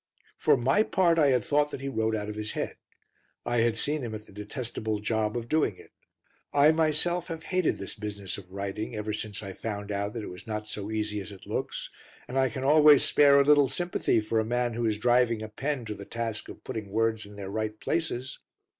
For my part I had thought that he wrote out of his head; I had seen him at the detestable job of doing it. I myself have hated this business of writing ever since I found out that it was not so easy as it looks, and I can always spare a little sympathy for a man who is driving a pen to the task of putting words in their right places.